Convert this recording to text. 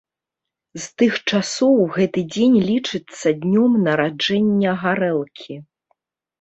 З тых часоў гэты дзень лічыцца днём нараджэння гарэлкі.